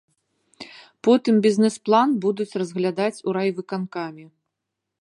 Потым бізнес-план будуць разглядаць у райвыканкаме.